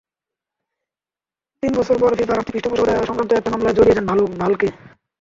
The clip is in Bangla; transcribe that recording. তিন বছর পরই ফিফার আর্থিক পৃষ্ঠপোষকতা-সংক্রান্ত একটা মামলায় জড়িয়ে যান ভালকে।